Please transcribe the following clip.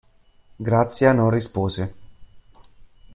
Grazia non rispose.